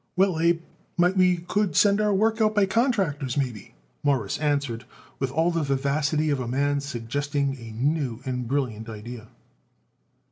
"Well, Abe, might we could send our work out by contractors, maybe," Morris answered with all the vivacity of a man suggesting a new and brilliant idea.